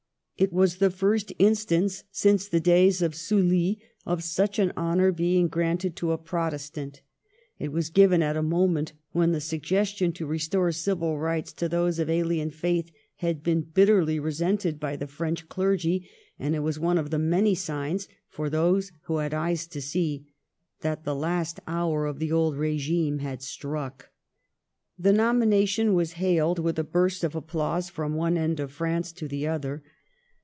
It was the first instance, since the days of Sully, of such an honor being granted to a Prot estant ; it was given at a moment when the sug gestion to restore civil rights to those of alien faith had been bitterly resented by the French clergy ; and it was one of the many signs (for those who had eyes to see) that the last hour of the old regime had struck. The nomination was hailed with a burst of ap plause from one end of France to the other.